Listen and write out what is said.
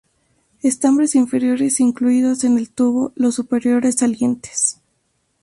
Estambres inferiores incluidos en el tubo, los superiores salientes.